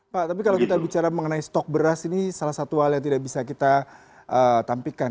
pak tapi kalau kita bicara mengenai stok beras ini salah satu hal yang tidak bisa kita tampilkan